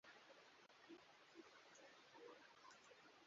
Nk'uko twabikomojeho mu ijambo ry'ibanze,